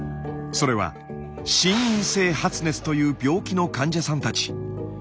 それは心因性発熱という病気の患者さんたち。